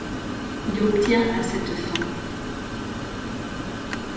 Il obtient à cette fin.